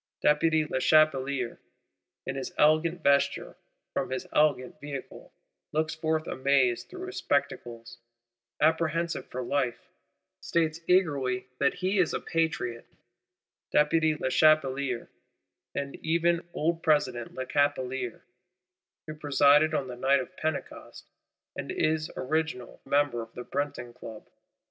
Deputy Lechapelier, in his elegant vesture, from his elegant vehicle, looks forth amazed through his spectacles; apprehensive for life;—states eagerly that he is Patriot Deputy Lechapelier, and even Old President Lechapelier, who presided on the Night of Pentecost, and is original member of the Breton Club.